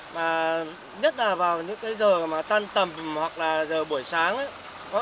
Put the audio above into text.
mà nhất là vào những cái giờ mà tan tầm hoặc là giờ buổi sáng